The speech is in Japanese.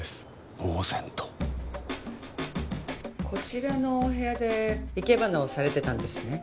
ぼう然とこちらのお部屋で生け花をされてたんですね・